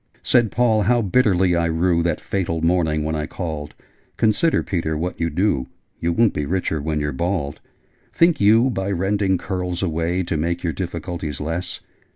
Said Paul 'How bitterly I rue That fatal morning when I called! Consider, Peter, what you do! You won't be richer when you're bald! Think you, by rending curls away, To make your difficulties less?